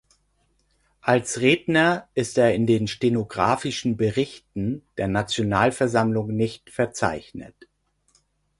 Als Redner ist er in den Stenographischen Berichten der Nationalversammlung nicht verzeichnet.